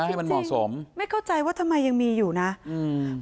ให้มันเหมาะสมจริงจริงไม่เข้าใจว่าทำไมยังมีอยู่นะอืม